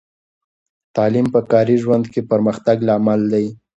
تعلیم په کاري ژوند کې د پرمختګ لامل دی.